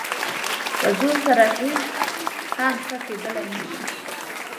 په زور سره هېڅ څه هم ښه کېدلی نه شي.